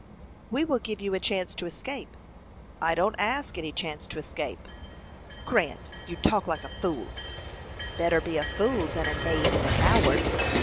"We will give you a chance to escape." "I don't ask any chance to escape." "Grant, you talk like a fool." "Better be a fool than a knave and a coward."